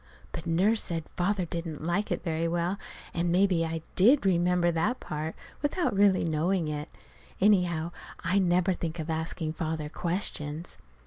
But Nurse said Father didn't like it very well, and maybe I did remember that part, without really knowing it. Anyhow, I never think of asking Father questions.